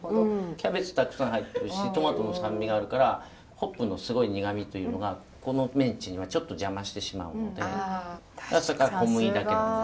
キャベツたくさん入ってるしトマトの酸味があるからホップのすごい苦みというのがこのメンチにはちょっと邪魔してしまうので小麦だけのものに。